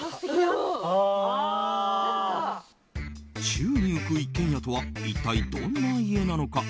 宙に浮く一軒家とは一体どんな家なのか？